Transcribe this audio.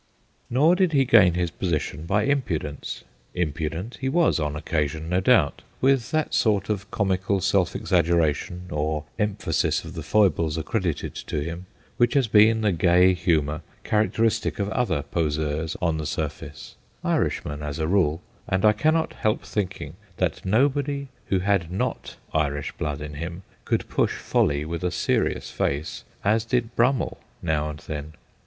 Nor did he gain his position by impudence. Impudent he was on occasion, no doubt, with that sort of comical self exaggeration, or emphasis of the foibles accredited to him, which has been the gay humour characteristic of other poseurs on the surface Irishmen, as a rule, and I cannot help thinking that nobody who had not Irish blood in him could push folly with a serious face as did Brummell now and then.